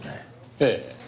ええ。